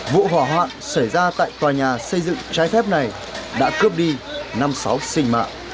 vụ hỏa hoạn xảy ra tại tòa nhà xây dựng trái phép này đã cướp đi năm sáu sinh mạng